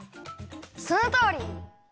そのとおり！